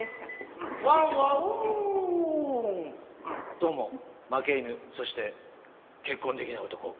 どうも負け犬そして結婚できない男蔵前です。